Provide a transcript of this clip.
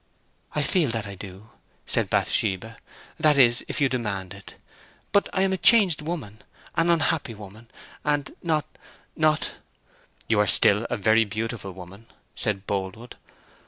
"I feel that I do," said Bathsheba; "that is, if you demand it. But I am a changed woman—an unhappy woman—and not—not—" "You are still a very beautiful woman," said Boldwood.